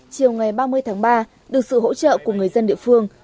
chiều ngày ba mươi tháng ba được sự hỗ trợ của người dân địa phương